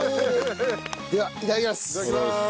ではいただきます！